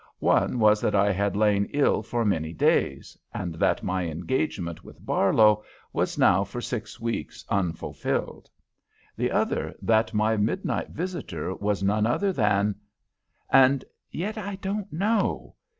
One was that I had lain ill for many days, and that my engagement with Barlow was now for six weeks unfulfilled; the other, that my midnight visitor was none other than And yet I don't know.